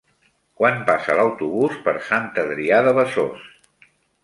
Quan passa l'autobús per Sant Adrià de Besòs?